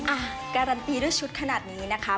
อ่ะการันตีด้วยชุดขนาดนี้นะคะ